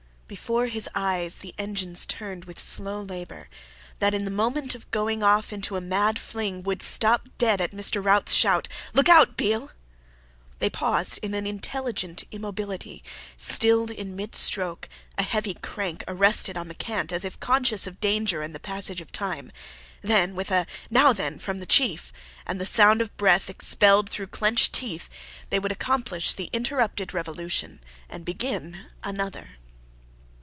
Before his eyes the engines turned with slow labour, that in the moment of going off into a mad fling would stop dead at Mr. Rout's shout, "Look out, Beale!" They paused in an intelligent immobility, stilled in mid stroke, a heavy crank arrested on the cant, as if conscious of danger and the passage of time. Then, with a "Now, then!" from the chief, and the sound of a breath expelled through clenched teeth, they would accomplish the interrupted revolution and begin another.